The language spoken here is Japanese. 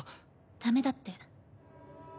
ダメだって。